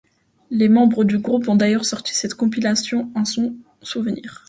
Les membres du groupe ont d'ailleurs sorti cette compilation en son souvenir.